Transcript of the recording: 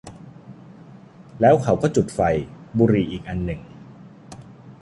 แล้วเขาก็จุดไฟ บุหรี่อีกอันหนึ่ง